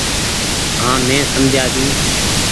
هآنٚ مينٚ سمجهآ ۮيو